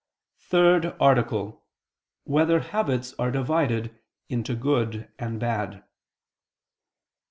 54, Art. 3] Whether Habits Are Divided into Good and Bad?